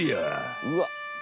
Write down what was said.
うわっ！